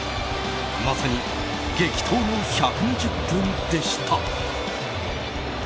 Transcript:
まさに激闘の１２０分でした。